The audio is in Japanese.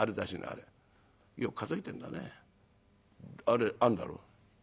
「あれあんだろ？」。